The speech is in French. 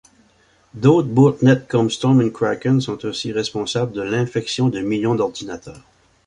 D'autres botnets comme Storm et Kraken sont aussi responsables de l'infection de millions d'ordinateurs.